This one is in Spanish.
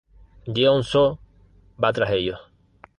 Yeon-soo va tras ellos.